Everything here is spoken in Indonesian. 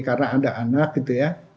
karena ada anak gitu ya